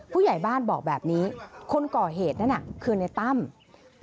ผู้ใหญ่บ้านบอกแบบนี้คนก่อเหตุนั้นคือในตะมนต์